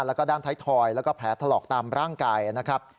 แล้วก็ด้านท้ายทอยแล้วก็แผลถลอกตามร่างกายนะครับ